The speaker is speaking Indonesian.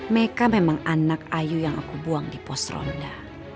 mereka memang anak ayu yang aku buang di pos ronda